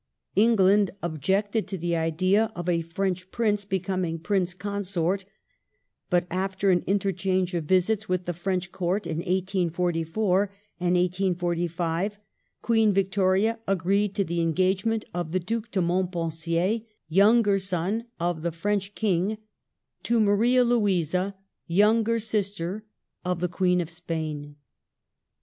England objected to the idea of a French Prince becoming Prince Consort, but after an interchange of visits with the Fi"ench Court in 1844 and 1845, Queen Victoria agreed to the engagement of the Due de Montpensier, younger son of the French King, to Maria Louisa, younger sister of the Queen of Spain.